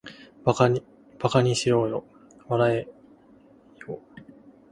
馬鹿ばかにしろよ、笑わらえよ